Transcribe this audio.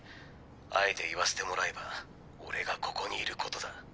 あえて言わせてもらえば俺がここにいることだ。